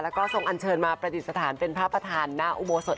แล้วก็ทรงอันเชิญมาประดิษฐานเป็นพระประธานหน้าอุโบสถ